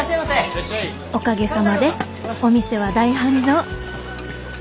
「おかげさまでお店は大繁盛。